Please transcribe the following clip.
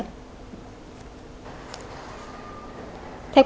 theo các thông tin